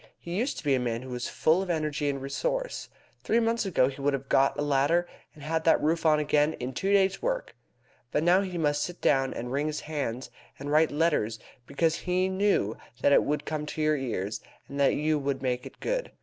He used to be a man who was full of energy and resource. Three months ago he would have got a ladder and had that roof on again in two days' work. But now he must sit down, and wring his hands, and write letters, because he knew that it would come to your ears, and that you would make it good.